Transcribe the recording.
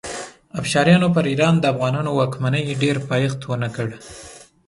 افشاریانو پر ایران د افغانانو واکمنۍ ډېر پایښت ونه کړ.